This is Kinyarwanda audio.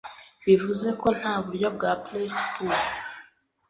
bivuze ko nta buryo bwa placebo